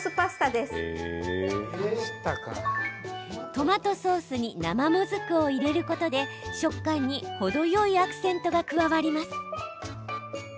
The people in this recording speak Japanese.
トマトソースに生もずくを入れることで食感に程よいアクセントが加わります。